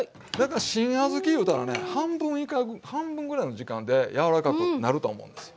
新小豆いうたらね半分ぐらいの時間で柔らかくなると思うんですよ。